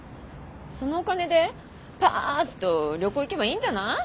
そのお金でパッと旅行行けばいいんじゃない？